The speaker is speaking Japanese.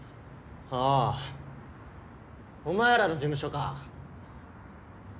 ああお前らの事務所か。